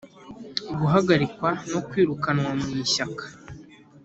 Guhagarikwa no kwirukanwa mu ishyaka